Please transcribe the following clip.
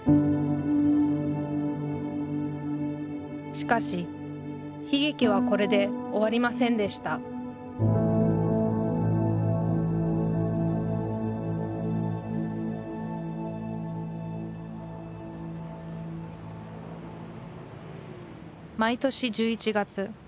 しかし悲劇はこれで終わりませんでした毎年１１月。